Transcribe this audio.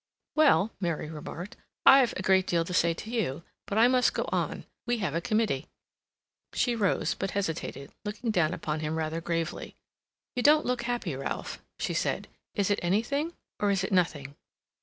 "Well," Mary remarked, "I've a great deal to say to you, but I must go on—we have a committee." She rose, but hesitated, looking down upon him rather gravely. "You don't look happy, Ralph," she said. "Is it anything, or is it nothing?"